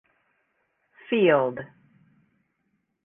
Field.